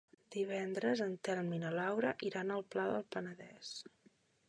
Divendres en Telm i na Laura iran al Pla del Penedès.